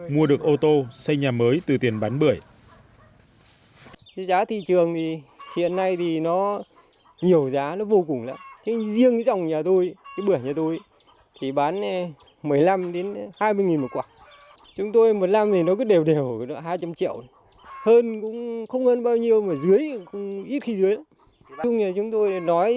mua được ô tô xây nhà mới từ tiền bán bưởi